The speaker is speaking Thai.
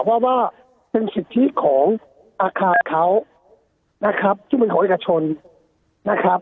เพราะว่าเป็นสิทธิของอาคารเขานะครับซึ่งเป็นของเอกชนนะครับ